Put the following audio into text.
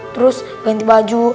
terus ganti baju